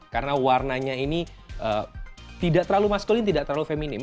karena warnanya ini tidak terlalu maskulin tidak terlalu feminim